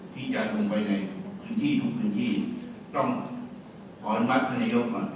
ที่จะลงไปในทุกพื้นที่ต้องขออนุมัติพนัยยกก่อน